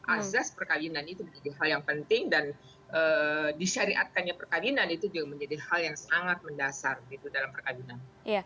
asas perkabinan itu menjadi hal yang penting dan disyariatkannya perkabinan itu juga menjadi hal yang sangat mendasar gitu dalam perkabinan